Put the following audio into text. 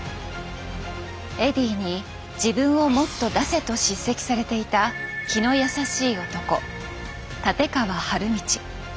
エディーに自分をもっと出せと叱責されていた気の優しい男立川理道。